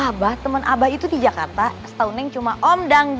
abah temen abah itu di jakarta setahun neng cuma om dang ding du